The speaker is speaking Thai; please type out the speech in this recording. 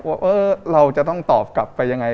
ว่าเราจะต้องตอบกลับไปยังไง